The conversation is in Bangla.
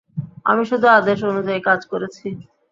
আমি শুধু আদেশ অনুযায়ী কাজ করেছি।